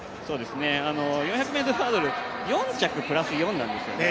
４００ｍハードル、４着プラス４なんですよね。